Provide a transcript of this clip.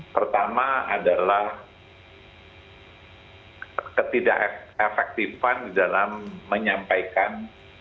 pertama adalah ketidak efektifan di dalam menyampaikan